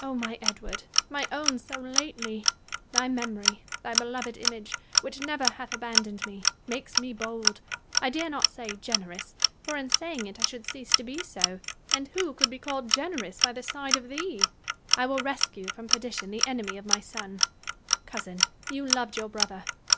Joanna. my Edward ! my own so lately ! Thy memory — thy beloved image — which never hath abandoned me, makes me bold : I dare not say " generous ;" for in saying it I should cease to be so — and who could be called 78 IMA GINARY CON VERS A TIONS. generous by the side of thee ? I will rescue from perdition the enemy of my son. Cousin, you loved your brother.